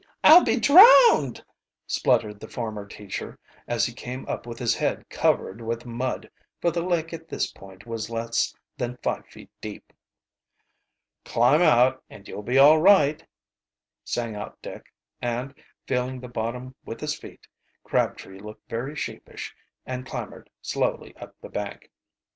I'll be drowned!" spluttered the former teacher, as he came up with his head covered with mud, for the lake at this point was less than five feet deep. "Climb out and you'll be all right," sang out Dick, and feeling the bottom with his feet, Crabtree looked very sheepish and clambered slowly up the bank.